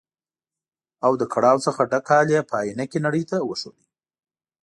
او له کړاو څخه ډک حال یې په ائينه کې نړۍ ته وښود.